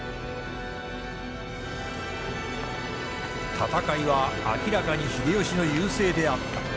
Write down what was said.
戦いは明らかに秀吉の優勢であった。